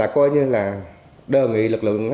coi như là đơn vị lực lượng